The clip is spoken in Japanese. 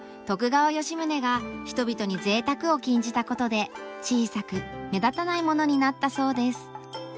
徳川吉宗が人々にぜいたくを禁じたことで小さく目立たないものになったそうです。